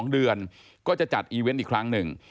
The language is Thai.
๒เดือนก็จะจัดอีเวนต์อีกครั้งหนึ่ง